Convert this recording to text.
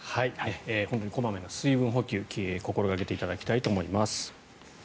本当に小まめな水分補給を心掛けていただきたいと思います。